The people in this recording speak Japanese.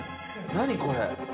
何これ。